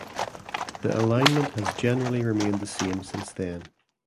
The alignment has generally remained the same since then.